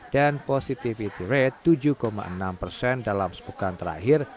dan positivity rate tujuh enam dalam sepukan terakhir